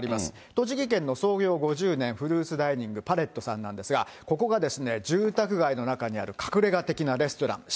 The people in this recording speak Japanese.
栃木県の創業５０年、フルーツダイニング・パレットさんなんですが、ここがですね、住宅街の中にある隠れが的なレストラン。